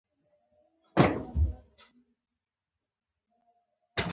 زموږ په مالوماتو یې د ډاډ ساه واخيسته.